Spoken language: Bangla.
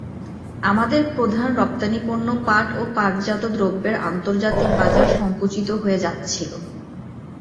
আমাদের প্রধান রপ্তানিপণ্য পাট ও পাটজাত দ্রব্যের আন্তর্জাতিক বাজার সংকুচিত হয়ে যাচ্ছিল।